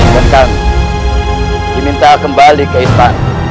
dan kami diminta kembali ke istana